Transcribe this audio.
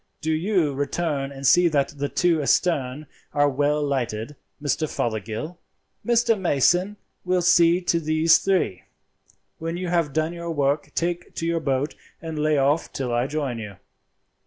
Do you return and see that the two astern are well lighted, Mr. Fothergill; Mr. Mason will see to these three. When you have done your work take to your boat and lay off till I join you.